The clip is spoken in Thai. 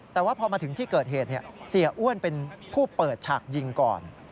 แต่ว่าพอมาถึงที่เกิดเหตุเสียอ้วนเป็นผู้เปิดฉากยิงก่อน